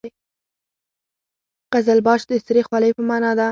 قزلباش د سرې خولۍ په معنا ده.